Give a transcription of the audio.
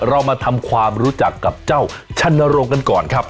เรามาทำความรู้จักกับเจ้าชันนรงค์กันก่อนครับ